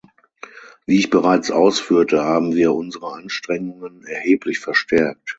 Wie ich bereits ausführte, haben wir unsere Anstrengungen erheblich verstärkt.